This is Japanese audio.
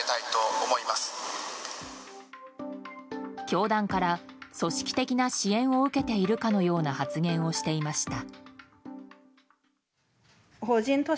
教団から組織的な支援を受けているかのような発言をしていました。